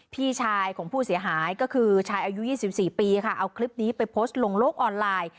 พี่ชายของผู้เสียหายก็คือชายอายุ๒๔ปีค่ะเอาคลิปนี้ไปโพสต์ลงโลกออนไลน์